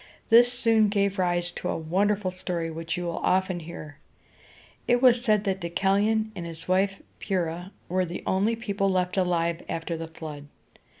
This soon gave rise to a wonderful story, which you will often hear. It was said that Deucalion and his wife Pyr´rha were the only people left alive after the flood.